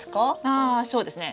ああそうですね。